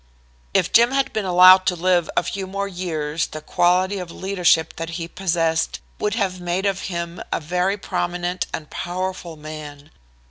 "If Jim had been allowed to live a few more years the quality of leadership that he possessed would have made of him a very prominent and powerful man.